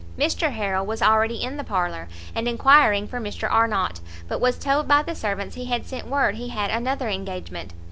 Mr Harrel was already in the parlour, and enquiring for Mr Arnott, but was told by the servants he had sent word he had another engagement.